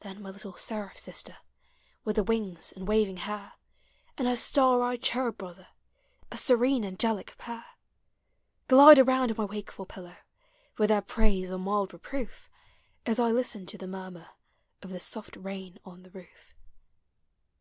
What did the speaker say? Then my little seraph sister, With the wings and waving hair, Digitized by Google ABOUT CHILDREN And her star eyed cherub brother — A serene angelic pair! — Glide around my wakeful pillow, With their praise or mild reproof. As I listen to the murmur Of the soft rain on the roof.